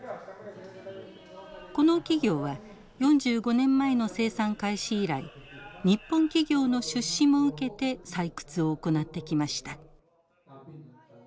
この企業は４５年前の生産開始以来日本企業の出資も受けて採掘を行ってきました。